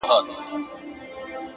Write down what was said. • سپوږمۍ خو مياشت كي څو ورځي وي ـ